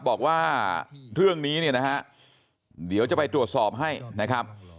บอกว่าเรื่องนี้เนี่ยนะฮะเดี๋ยวจะไปตรวจสอบให้นะครับ